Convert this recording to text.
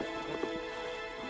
ya yaudah kamu jangan gerak deh ya